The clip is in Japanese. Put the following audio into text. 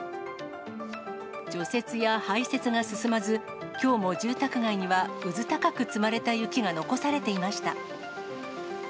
除雪や排雪が進まず、きょうも住宅街にはうずたかく積まれた雪が残されていました。